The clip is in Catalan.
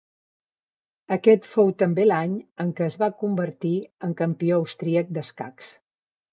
Aquest fou també l'any en què es va convertir en campió austríac d'escacs.